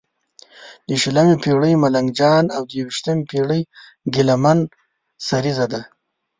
د شلمې پېړۍ ملنګ جان او د یوویشمې پېړې ګیله من سریزه ده.